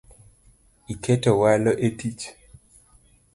Iketo walo e tich